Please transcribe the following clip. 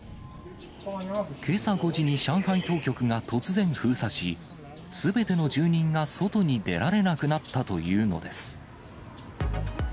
けさ５時に、上海当局が突然封鎖し、すべての住人が外に出られなくなったというのです。